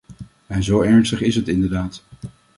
En zo ernstig is het inderdaad.